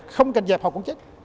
không cần dẹp họ cũng chết